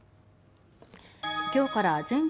今日から全国